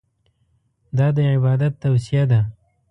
دا د عبادت توصیه ده.